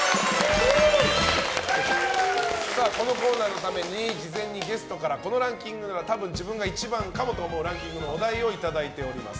このコーナーのために事前にゲストからこのランキングなら多分自分が１番かもと思うお題をいただいております。